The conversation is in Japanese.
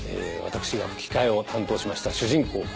私が吹き替えを担当しました主人公